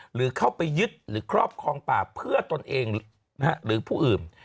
หรือเข้าไปยึดหรือครอบครองป่าเพื่อตนเองหรือผู้อื่น